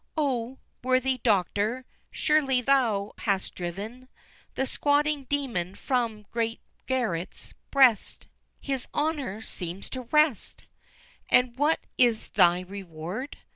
IX. Oh! worthy Doctor! surely thou hast driven The squatting Demon from great Garratt's breast (His honor seems to rest! ) And what is thy reward?